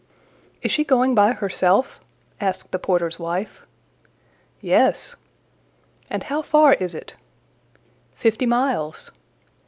"Is she going by herself?" asked the porter's wife. "Yes." "And how far is it?" "Fifty miles."